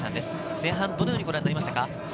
前半どのようにご覧になりましたか？